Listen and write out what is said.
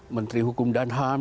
menteri hukum dan ham